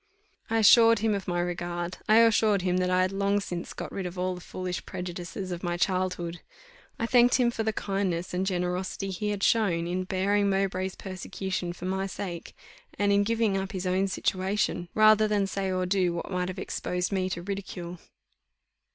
I assured him of my regard: I assured him that I had long since got rid of all the foolish prejudices of my childhood. I thanked him for the kindness and generosity he had shown in bearing Mowbray's persecution for my sake, and in giving up his own situation, rather than say or do what might have exposed me to ridicule.